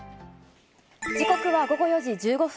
時刻は午後４時１５分。